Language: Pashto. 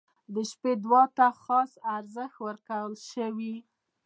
• د شپې دعا ته خاص ارزښت ورکړل شوی.